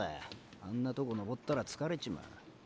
あんなとこ登ったら疲れちまう。